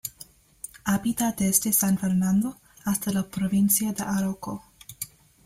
Habita desde San Fernando hasta la Provincia de Arauco.